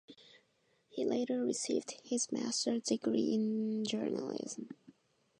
He later received his master's degree in journalism.